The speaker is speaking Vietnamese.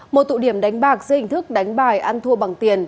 một tụ điểm đánh bạc dưới hình thức đánh bài ăn thua bằng tiền